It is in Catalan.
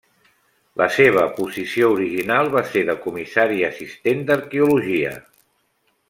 La seva posició original va ser de comissari assistent d'arqueologia.